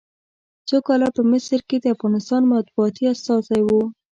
څو کاله په مصر کې د افغانستان مطبوعاتي استازی و.